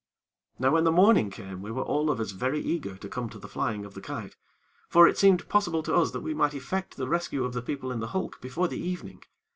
Now when the morning came we were all of us very eager to come to the flying of the kite; for it seemed possible to us that we might effect the rescue of the people in the hulk before the evening.